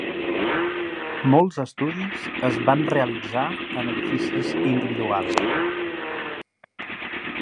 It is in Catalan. Molts estudis es van realitzar en edificis individuals.